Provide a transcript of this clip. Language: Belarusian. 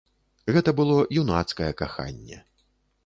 Гэта было юнацкае каханне.